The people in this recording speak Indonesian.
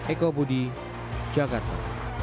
eko budi jakarta